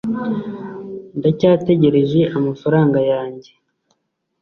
ndacyategereje amafaranga yanjye